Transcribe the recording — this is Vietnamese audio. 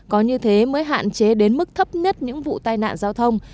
có như thế mới hạn chế đến mức thấp nhất những vụ tai nạn giao thông